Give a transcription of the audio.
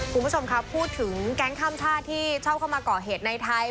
คุณผู้ชมครับพูดถึงแก๊งข้ามชาติที่ชอบเข้ามาก่อเหตุในไทย